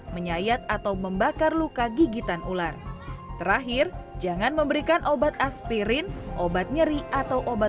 menyayat atau membakar luka gigitan ular terakhir jangan memberikan obat aspirin obat nyeri atau obat